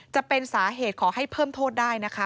จะเป็นสาเหตุขอให้เพิ่มโทษได้นะคะ